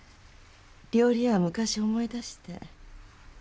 料理屋は昔思い出して。